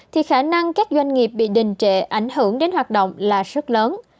thì khả năng các doanh nghiệp bị đình trệ ảnh hưởng đến hoạt động là rất lớn